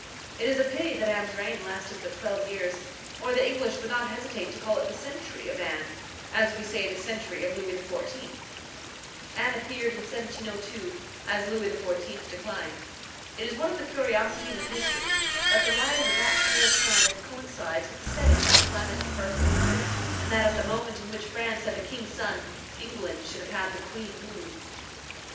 It is a pity that Anne's reign lasted but twelve years, or the English would not hesitate to call it the century of Anne, as we say the century of Louis XIV. Anne appeared in 1702, as Louis XIV. declined. It is one of the curiosities of history, that the rise of that pale planet coincides with the setting of the planet of purple, and that at the moment in which France had the king Sun, England should have had the queen Moon.